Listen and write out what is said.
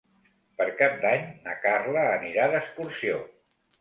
Per Cap d'Any na Carla anirà d'excursió.